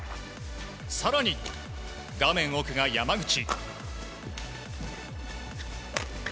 更に、画面奥が山口。